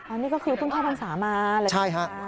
อันนี้ก็คือทุ่งเข้าพรรษามาหลังจากการ